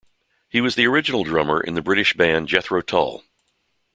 He was the original drummer in the British band Jethro Tull.